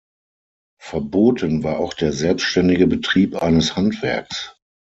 Verboten war auch der selbständige Betrieb eines Handwerks.